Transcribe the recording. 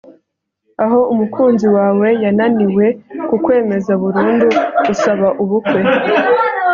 aho umukunzi wawe yananiwe kukwemeza burundu usaba ubukwe